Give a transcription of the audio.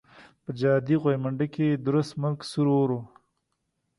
په جهادي غويمنډه کې درست ملک سور اور وو.